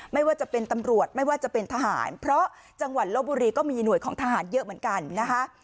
ไม่ว่าจะเป็นตำรวจไม่ว่าจะเป็นทหารเพราะจังหวัดลบบุรีก็มีหน่วยของทหารเยอะเหมือนกันนะคะ